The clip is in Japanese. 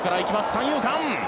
三遊間。